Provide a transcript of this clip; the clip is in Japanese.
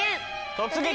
「突撃！